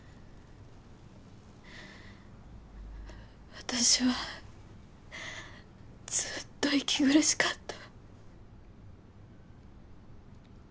私はずっと息苦しかった。